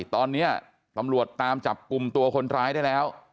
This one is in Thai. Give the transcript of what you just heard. ตอนนี้ตำรวจตามจับกลุ่มตัวคนร้ายได้แล้ว